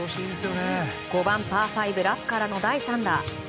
５番、パー５ラフからの第３打。